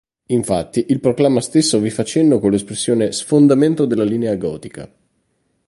Infatti, il proclama stesso vi fa cenno con l'espressione "sfondamento della linea Gotica".